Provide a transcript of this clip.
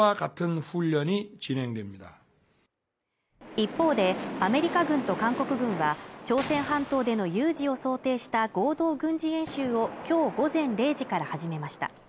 一方でアメリカ軍と韓国軍は朝鮮半島での有事を想定した合同軍事演習を今日午前０時から始めました